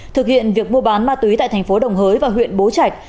thực hiện việc mua bán ma túy tại tp đồng hới và huyện bố trạch